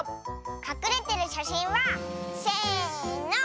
かくれてるしゃしんはせの。